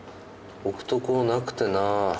置くとこなくてな。